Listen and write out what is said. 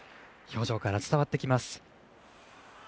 表情から伝わってきます。